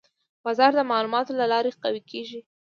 بازار د معلوماتو له لارې قوي کېږي.